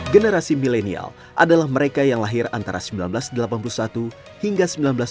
generasi milenial adalah mereka yang lahir antara seribu sembilan ratus delapan puluh satu hingga seribu sembilan ratus sembilan puluh